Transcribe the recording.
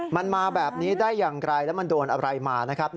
มันมาแบบนี้ได้อย่างไรแล้วมันโดนอะไรมานะครับ